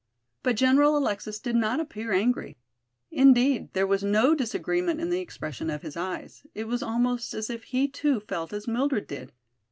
But General Alexis did not appear angry. Indeed, there was no disagreement in the expression of his eyes, it was almost as if he too felt as Mildred did.